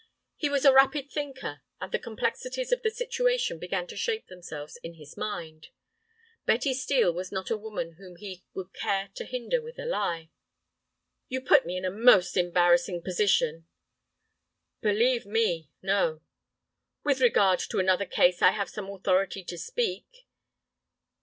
He was a rapid thinker, and the complexities of the situation began to shape themselves in his mind. Betty Steel was not a woman whom he would care to hinder with a lie. "You put me in a most embarrassing position—" "Believe me, no." "With regard to another case I have some authority to speak."